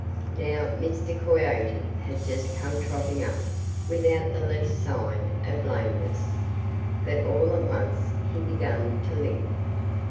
Now, Mr. Coyote had just come trotting up without the least sign of lameness. But all at once he began to limp.